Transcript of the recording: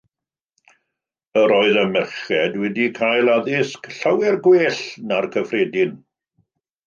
Yr oedd y merched wedi cael addysg llawer gwell na'r cyffredin.